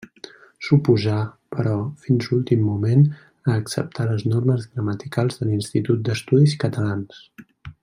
S'oposà, però, fins últim moment a acceptar les normes gramaticals de l'Institut d'Estudis Catalans.